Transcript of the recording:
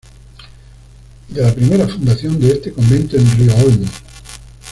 I De la primera fundación de este convento en Rio-olmos.